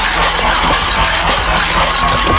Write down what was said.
ระวังมือน่ะค่ะ